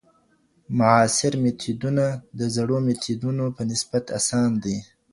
معاصر میتودونه د زړو میتودونو په نسبت اسان دي.